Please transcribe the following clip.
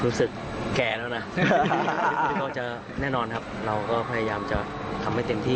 รู้สึกแก่แล้วน่ะก็จะแน่นอนครับเราก็พยายามจะทำให้เต็มที่